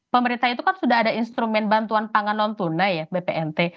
pemerintah itu kan sudah ada instrumen bantuan pangan non tunai ya bpnt